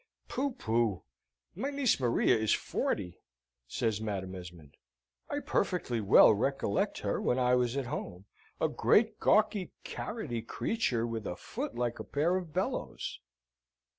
"Pooh, pooh! my niece Maria is forty!" says Madam Esmond. "I perfectly well recollect her when I was at home a great, gawky, carroty creature, with a foot like a pair of bellows."